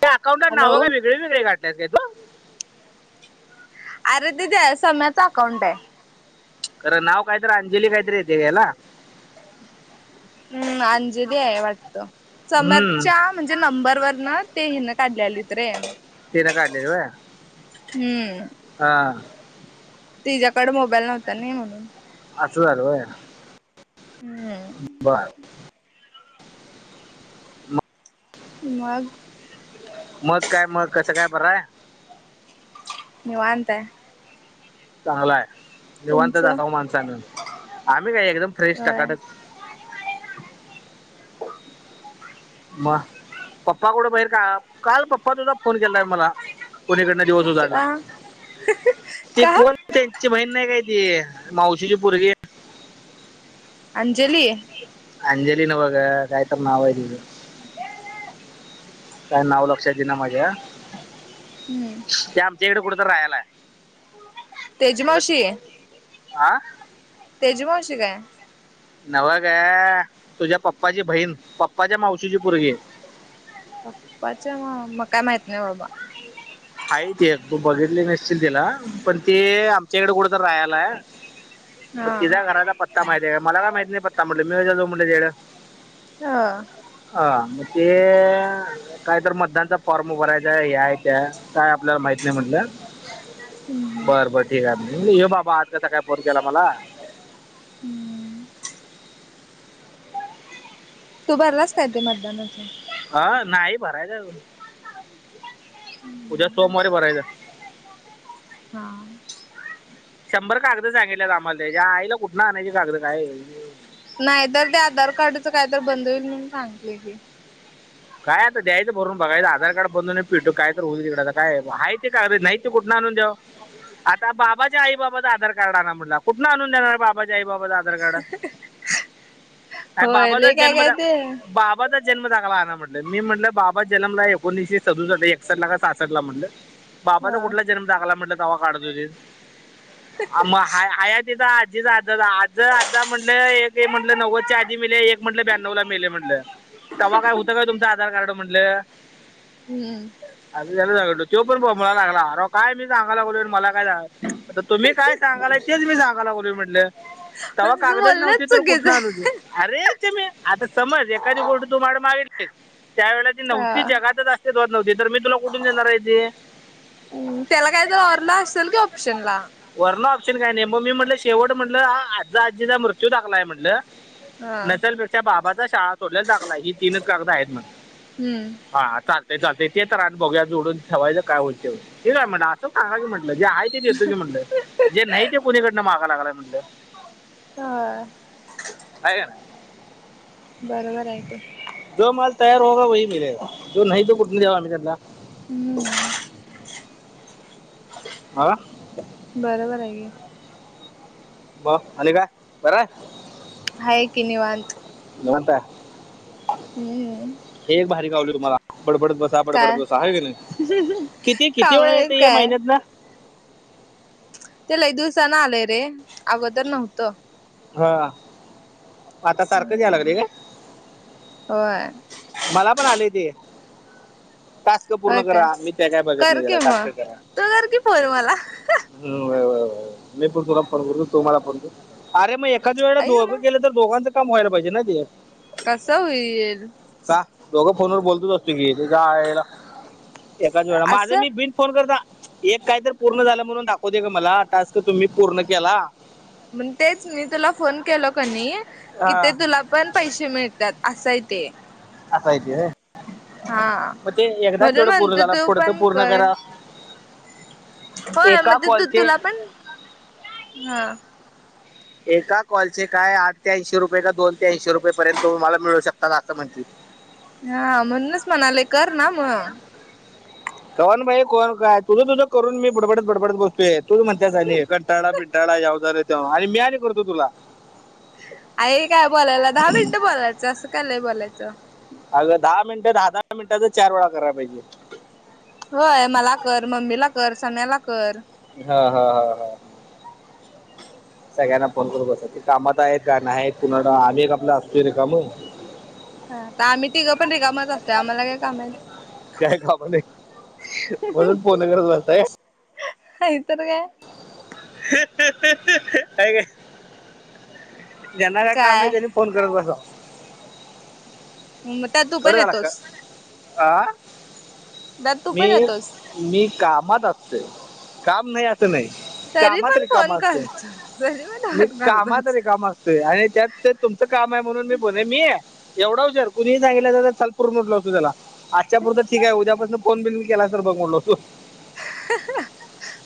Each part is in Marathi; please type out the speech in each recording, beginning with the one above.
त्या अकाउंटला हॅलो नाव का वेगळे वेगळे [unintelligible] का तू? अरे [unintelligible] सम्याचं अकाउंट आहे. खरं नाव कायतरी अंजली कायतरी येते ह्याला. हम्म अंजली आहे वाटत. हम्म साम्याच्या म्हणजे नंबर वर न ते हिन काढलेल्यारीत रे. ते न काढलेली व्हय. हम्म. हा. तिच्या्याकडे मोबाईल नव्हता नही म्हणून. असं झालं व्हय. हम्म. [unintelligible] मग. मग काय मग कसं काय बरं आहे? निवा अत चांगला आहे निवंत तुमचं दाव माणसान आम्ही काय एकदम फ्रेश होय टकाटक. मग पप्पा कुडं बाहेर का काल पप्पा सुुद्धा फोन केलाय मला कोणीकडन दिवस उधारला का ते का कोण? त्यांची बहीण नाही काय त मावशीची परगी अंजली. अंजलीनवग कायतर नावा आहेऊ. [inaudible] काय नाव लक्षात येईना माझ्या. हम्म. ते आमच्या इकडे कुठं तर राहायला आहे. तेजमावशी मग आ तेजमावशी काय? नव ग तुझ्या पप्पाची बहीण पप्पाच्या मावशीची पोरगी. पप्पा म काय माहित नाही बाबा. आहे ते तू बघितले निश्चित तिला पण ते आमच्या इकडे कुठ तर राहायलाय. मग हा तिझ्या घराचा पत्ता माहिती आहे का मला काय माहिती नाही पत्ता म्हटलं मी कशाला जाऊ म्हटलं तिच्याघरात ह. ह मग ते काहीत मतदानचा फॉर्म भरायचा हे आहे त्या काय आपल्याला माहित नाही म्हटलं हम्म बरं बर. ठीक आहे येऊ बाबा आज कसा काय फोन केला मला हम्म. तो भरलास काय ते मतदानाच नाही भरायचे अजून. उद्या सोमवारी भरायचं. हा. शंभर कागदं सांगितल्यात आम्हाला त्याच्या आईला कुठं आणाण्यायची कागदं काय? नाहीतर ते आधार कार्डच काय तर बंद होईल म्हणून सांगितले की. काय आता द्यायचं भरून बघायचं आधार कार्ड बनून भेटू काय तर होईल तिकडे आ काय आहेय ते का नाही. तू कुठं आणून द्यावं. आता बाबाच्या आई बाबा आधार कार्ड आणा म्हटला कुठून आणून देणार बाबाच्या आई बाबाचं आधार कार्ड अ होय बाबाचा लय काय जन्म काय ते बाबाचा जन्म दाखला आण म्हट. मी म्हटलं बाबा जनमला आहे एकोणीसशे सद एकस ला सास ला म्हटलं बाबाला हा कुठला जनम [unintelligible] आीच आ आज आता म्हटलं एक म्हटलं नव्वद च्या आधी मेले एक म्हटलं ब्याण्व ला मेले म्हटलं. तवा काय होत काय तुमचं आधार कार्ड म्हणलं. हम्म. आ त्याला सगो तो पण बला लागला अर काय मी सांगालाग मला काय झा. आता तुम्ही काय सांगाल तेच मी सांगायला बोल म्हटल. तेव्हा पण तुझं कागदाच नव्हती बोलणच तर चुकीचं कुठनं आलू त आहे. अरे मी आता समज एखादी गोष्टी तुम्हाड मागितली त्यावेला ती नव्हती हा. जगातच. तेत नव्हते तर मी तुला कुठून देणार आहे ते. हम्म त्याला काय तर र ला असेल की ऑप्शन ला. वरण ऑप्शन काय नाही मग मी म्हटलं शेवट म्हटलं आजा आजीचा मृत्यू दाखलाय म्हटलं. हा नसेलपेक्षा बाबाचा शाळा सोडल्याला टाकला हि गदा आहेतण हम्म. हा चा ते ते तर आणि बघ्यात जोडून ठेवायचं काय होते ठीकय म्हणा. मगा की म्हटलं जे आहे ते देतो की म्हटलं जे नाही ते कोुणीकडनं माहागा लागलाय म्हटलं. हा. आहे ना. बरोबरआय की. जो माल तयार होगा वही मिलेगा जो नाही तो कुठुन देणार आम्ही त्यांला हम्म आह बरोबर आहे की मग आणि काय बर आहे? हाय की निवांत निवांत हाय हम्म हे एक भारी गावलय तुम्हाला बडबडत बस ता बडबडत काय बसा हाय कीनी, किती किती कामावर वेळा आहेत येतंय हे काय? महिन्यातन? ते लई दिवसान आलंय रे अगोदर नव्हतं हा आता सारखं या हम्म लागलंय काय? होय मला पण आलंय ते टास्क पूर्ण होय काय करा मी ते काय बघत कर नाही की त्याला टास्क मग करा. तू कर की फोन मला हम्म व्हय व्हय व्हय मी पण तुला फोन करतो तू मला फोन कर आरे मग का तुझ्याकड आई दोघं गं केलं तर दोघांचं काम व्हायला पाहिजे ना ते कस होईल का दोघं फोनवर बोलतच असतोय की, हेच्या आयला एकाच वेळा माझं असं मी भि फोन करता, एक काय तर पूर्ण झालं म्हणून दाखवतंय ग मला टास्क तुम्ही पूर्ण केला. मण तेच मी तुला फोन केलो कनी कि हा, ते तुला पण पैसे मिळतात असाय ते असाय ते हा मग ते एकदाच म्हणून तेवढं पूर्ण म्हणतो झाला तु पुढचं पण पूर्ण कर करा हो एका मग ते कॉलचे तुला पण हा एका कॉलचे काय आठ ते ऐशी रुपये का दोन ते ऐंशी रुपये पर्यंत तुम्हाला मिळू शकता असं म्हणतात ते हा म्हणूनच म्हणालोय कर ना मग कवन भाई कोण काय तुझं तुझं करून मी बडबडत बडबडत बसतोय तूच म्हणत्यास आणि कटाळा - बिटाळा ह्याव झालंय त्याव आणि मी आणि करतो तुला काही काय बोलायला दहा मिनटं बोलायचं असं कालंय बोलायचं. अगं दहा मिनट दहा दहा मिनिटाच चार वेळा कराय पाहिजे. होय, मला कर, मम्मीला कर, सम्याला कर. हा हा हा हा सगळ्यांना फोन करत बसायचं. ते कामात आहेत का नाहीत कुणास ठाव आम्ही एक आपलं असतोय रिकाम हा आम्ही तिघं पण रिकामच असतोय, आम्हाला काय काम आहेत? काय काम नाहीत, म्हणून फोनं करत बसता काय? नाहीतर काय हाय काय ज्यांना काय काम नाही त्यांनी फोन करत बसा. हम्म त्या दोन कट झाला अक्का, आ त्यात तू पण मी, येतोस मी कामात असतोय काम नाही अस नाही तरी कामात पण रिकामा फोन असतोय करतो तरी पण मी फोन कामात करतोच रिकामा असतो होय आणि त्यात ते तुमचं काम आहे म्हणून मी बोले आणि मी एवढा उशर कुणीही सांगितलं असतं तर चल फूर म्हटलो असतो त्याला आजच्या पुरत ठीक आहे उद्यापासून फोन बिन केलास तर बघ म्हनलो असतो.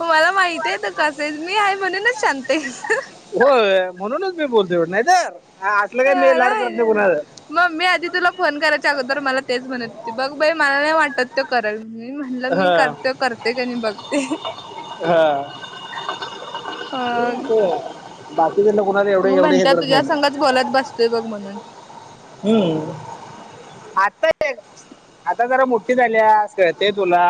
मला माहित आहेेत तू कसा आहेस मी आहे म्हणूनच शांत हायस. होय म्हणूनच मी बोलतोय एवढ नाहीतर असलं काय मी लाड करत नाही कुणाच मम्मी आधी तुला फोन करायच्या अगोदर मला तेच म्हणत होती बघ बाई मला नाही वाटत त करल मी म्हणलं मी हं, करतोय करतोय का नाही बघ ते. हा अ बाकीच्या कुणाकडन एवढे मग एवढे हे म्हणत करत नाही तुझ्या संघच बोलत बसतोय बघ म्हणून हम्म आता आता जरा मोठी झाल्यास कळतंय तुला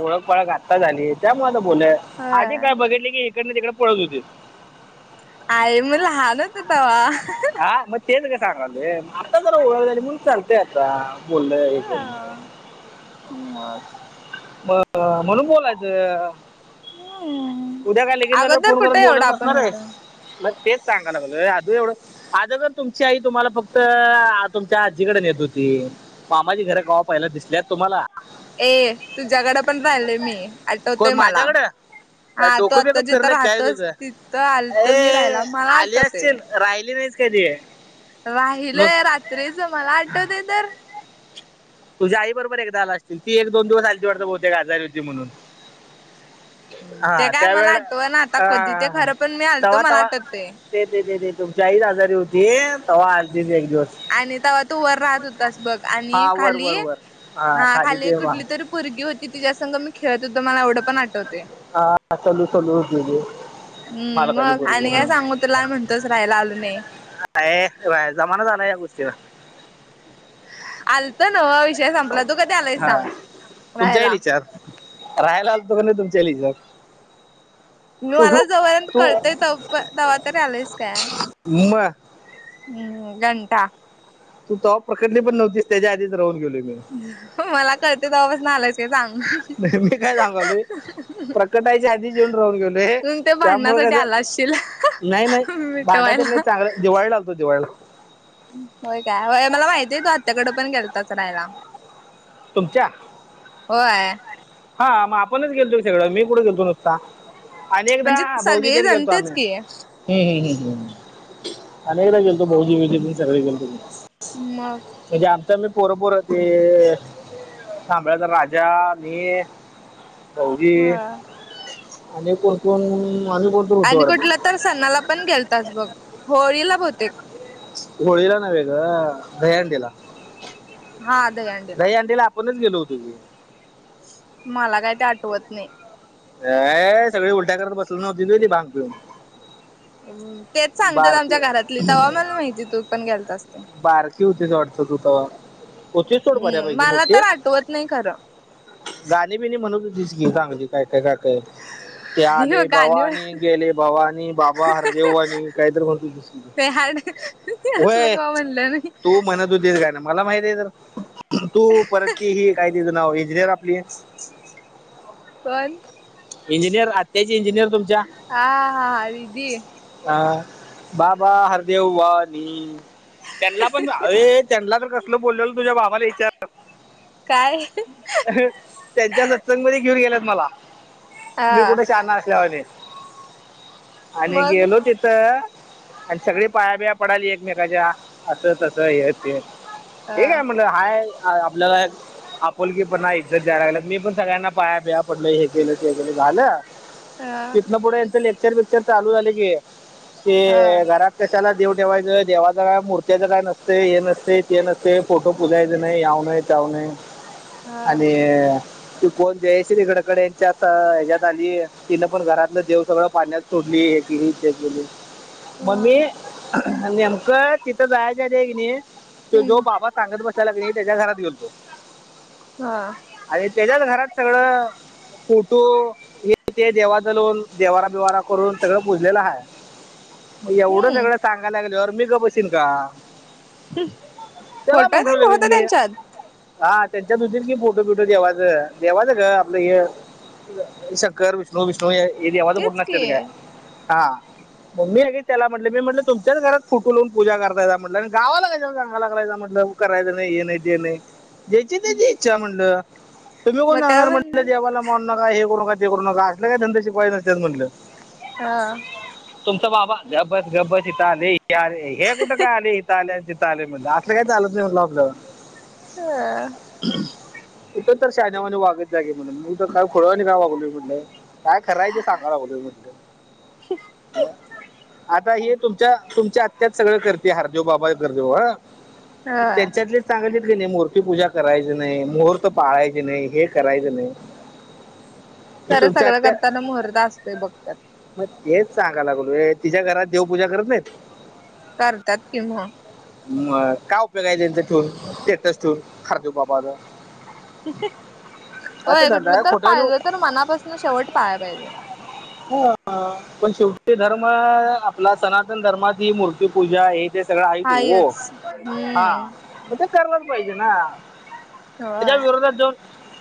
ओळख पाळख आत्ता झाली त्यामुळे आ बोलय आधी ह काय बघितले की इकडंन तिकडं पळत होतीस हाय मग लहान होतं तव्हा हा मग तेच गं सागायलोय आता जरा ओळख झाली म्हणून चालतंय आता बोललं हे केलं हा मग अ म्हणून बोलायचं हम उद्या काय लगीन झाल्यावर फोन करून बोलत बसणार आहे मग तेच सांगा लागलोयआदू एवढं आदोगर तुमची आई तुम्हांला फक्त तुमच्या आज्जीकडे नेत होती मामाची घर कवा पाहियला दिसल्यात तुम्हांला ए तुझ्याकडे पण राहिलोय मी आठवतय कोण मला माझ्याकडे त्या हा तो डोकं आता बिकं जिथं फिरलं काय राहतोस तुझं तिथं आलतो मी राहायला ए मला आली आठवतंय असतील राहिली नाहीस कधी राहिलय नुस- रात्रीचं मला आठवतंय तर तुझ्या आई बरोबर एकदा झाला असशील ती एक दोनदिवस आलती वाटत ती आजारी होतीम्हणून ते हा काय त्या मला वेळा आठवना आता कधी ते अ खरं पण मी आलतो तवा्हा मला तवा आठवतय. ते ते ते ते तुमची आई एक आजारी होती तेव्हा आलतीस एक दिवस आणि तेव्हा तु वर राहत होतास बघ आणि हा वर खाली वर वर हा खाली ते वा- कुठली तरी पोरगी होती तिच्या संघ मी खेळत होत मला एवढं पण आठवतंय हो हम् मग आणि काय सांगू तुला म्हणतोस राहायला आलो नाही अ बा जमाना झाला या गोष्टीला आलतो नव्ह विषय संपला तू कधी आलाय हा सांग तुमच्या आईला राहायला विचार राहायला आलतो का नाही तुमच्यां [inaudible] मला जोपर्यंत तू कळतंय तो तोवर आलंयस काय म हम्म घंटा तू तो प्रकटली पण नव्हतीस त्यांच्या आधीच राहून गेलो मी मला कळतंय तवापासून आलायस काय सांग नाही मी काय सांगलुय प्रकटायच्या आधीच येऊन राहून गेलोय तू ते त्यामुळ भांडणासाठी आला असशील कसं नाही नाही भांडासाठी मिटवायला नाही चांगला दिवाळी आलतो दिवाळीला होय काय मला माहितीय तू आत्याकडं पण गेलतास राहायला तुमच्या हो आहे हा मग आपणच गेलतो सगळं मी कुठं गेलतो नुस्ता अनेकदा म्हणजे सगळे भाऊजीतेन जण गेलतो तेच आम्ही की हम् हम् हम् हम् अनेकदा गेलतो भाऊजी सग गेलतो म म्हणजे आमच्या आम्ही पोर पोर ते कांबळेच्या राजा मी भाऊजी होय आणि कोण कोण आणि कोण तर होतो आणि कुठल्या वाटतं तर सणाला पण गेलतास बघ होळीला बहुतेक होळीला नव्हे गं दही हंडीला हा दहीहंडीला दही हंडीला आपणच गेलो होतो की मला काय ते आठवत नाही. अ सगळी उलट्या करत बसली नव्हतीत व्हय ती भांग पिऊन. तेच सांगतात आमच्या बारकी घरातली तेव्हा मला माहिती तू पण गेलतास ते. बारकी होतीस वाटतं तु तवा, होतीस सोड हम्म बऱ्यापैकी मला मोठी. तर आठवत नाही खरं गाणी बिनी म्हणतं होतीस की चांगली काय काय गातय. ते आणि आले गाणी भवानी गेले भवानी बाबा हरदेववाणी काहीतरी म्हणतं होतीस की. हाड ते असलं कवा म्हटले मी. तु म्हणतं होतीस गाणं मला माहती आहे तर, तू परत क ही काय तिज नाव इंजिनिअर आपली. कोण? इंजिनिअर आत्याची इंजिनिअर तुम हा हा रिद्धी. अ बाबा हरिदेव वानी त्यांना पण ह त्यांना तर कसलं बोलल्याल तुझ्या बाबाला विचार. काय. त्यांच्या सत्संगमध्ये घेऊन गेल्यात मला मी हा कुठं शाहणा असल्यावाणी. आणि मग गेलो ति तिथं आणि सगळी पायाबिया पडाली एकमेकांच्या असं तसं हे ते. ते हा ठिक म्हणटलं हाय. आपल्याला आपुलकी पणा इज्जत द्यायला लागल्यात. मी पण सगळ्यांना पाया पिया पडलो हे केलं. झालं हा तिथंन पुुढ यांच लेक्चर बिक्चर चालू झालं की. हा ते घरात कशाला देव ठेवायचं देवाचं काय मूर्त्याच काय नसते हे नसते ते नसते फोटो पुजायच नाही ह्याव नाही त्याऊन नाही हा आणि कोण जयश्री गडकरे. त्यात ह्याच्यात आली तिनं पण घरातलं देव सगळं पाण्यात सोडली हे केली ते केली. हा मम्मी नेमकं तिथं जायचं आधी हाय कणी, ते जो हम्म बाबा सांगत बसलेला कणी त्यांच्या घरात गेलतो. हा. आणि त्यांच्याच घरात सगळं फोटो हे ते देवाच लावून देवारा बिवारा करून सगळं पुजलेलं हाय. मग एवढं हम्म सगळं लागल्यावर मी गप्प बशीन का? चला फोटो म्हटलो तेन लगेच होता मी. त्यांच्यात हा त्यांच्यात होतीत की फोटो बिटो देवाचं देवाचं गं आपलं हे शंकर विष्णु विष्णू हे देवाचं फोटो तेच की नसत्यात काय. हा म मी आणि त्याला म्हटलं मी तुच्याच घरात फुटूूलावून पूजा करताय म्हटलं, गावाला काशाला सांगला लागलाय म्हटलं. करायचं नाही हे नाही ते नाही जेची तेची इच्छा म्हणटलं. तुम्ही कोण मग काय सांगणार म्हटलं, म्हणली देवाला मानु नका, हे करू नका, ते करू नका, असलं काय धंद शिकवायच नसत्यात म्हटलं. हा. [inaudible] तुमचं बाबा गबस गबस इथं आलंय तिथं आलंय हे कुठं आलंय इथं आलय आणि तिथं आलं म्हटलंअस असलं काय चालत नाही म्हणलं आपल्या वर. हं. कुठं तर शाण्यावानी वागत जाकी म्हणून. का खुळ्यावानी का वागू मी म्हटलं, काय खरं हाय ते सांगाय लागलोय म्हटलं. ह [inaudible] आता हे तुमच्या तुमच्या आत्यातच सगळं करते, हार्देदेव बाबा कर्ददेव बाबा हं. ह त्याच्यातले. सांगीतले कणी मूर्तीपूजा करायचं नाही, मुहूर्त पाळायचे नाही, हे करायचं नाही. मग खरं तुमच्या सगळं आत्या करताना मुहर्त असतोय बघत्यात. मग तेच सांगा लागलोय तिच्या घरात देवपूजा करत नाहीत. करतात की म मग काय उपयोग आय त्यांचा स्टेटस ठेऊन,, तेटच ठून, खारदूपापाचा. होय कुठलं तर खोट्यावानी पाहिजे तर मनापासून शेवट पाळाय पाहिजे. [inaudible] पण शेवटी धर्म, आपला सनातन धर्मात ही मूर्तीपूजा हे. ते सगळं आहे च हो, हायच हा, हम्म मग ते करायच पाहिजे ना. त्याच्या होय विरोधात जो,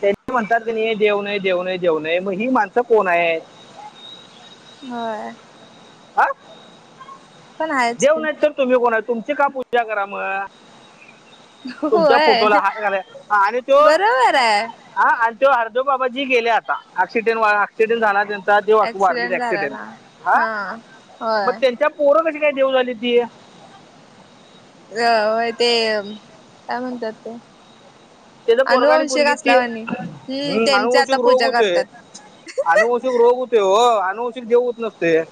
हां, म्हणतात की देऊ नाही, देऊ नाही देऊ नाय मग ही मानऽ अस कोण आहे? होय. हा पण आहेच देव की नाहीत तर तुम्ही कोणाय? तुमची का पूजा करा मग? तुमच्या होय फोटोला हार घालायचं आणि तो बरोबर आहे हा आणि तो हर्देदेव बाबाजी गेले आता ऍक्सिडेंट वा एक्सिडेंट झाला त्यांचा, तेव्हा वारलीत ऍक्सिडेंट अक्सिडेंट, झालेला हा मग त्यांच्या पोर कदी काय देऊ झाली ती? अय ते, काय म्हणतात ते? त्याचा पोरगा आणि अनुवंशिक पूरगी ती, असलावानी हम्म ह्ं, त्यांची आता अनुवश्यक रोग पूजा होतोय. करतात रोग होतोय वो, अनुवशक देे हुत जातय.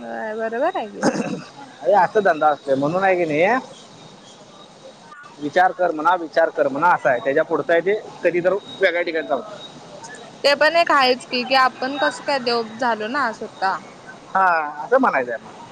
हाय बरोबर, आहे की अरे अस धंदा असतोय, म्हणून आहे की नाहीत्व. विचार कर म्हणा, विचार कर म्हणा, असा आहे त्याच्या पुढचं आय ते कधी तर, वेगळ्या ठिकाणी चालत. ते पण एक आहेच की,, की आपण कसं,, काय देव झालो ना स्वतः हा, आस मनायचय मला.